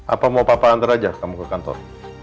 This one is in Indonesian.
apa mau papa antar aja kamu ke kantor